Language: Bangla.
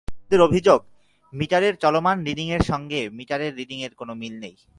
তাঁদের অভিযোগ, মিটারের চলমান রিডিংয়ের সঙ্গে মিটারের রিডিংয়ের কোনো মিল নেই।